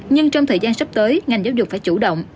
nhưng trong thời gian sắp tới ngành giáo dục phải chủ động